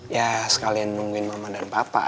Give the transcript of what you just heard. ya sekalian nungguin mama dan papa